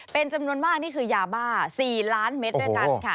เป็นจำนวนมากนี่คือยาบ้า๔ล้านเม็ดด้วยกันค่ะ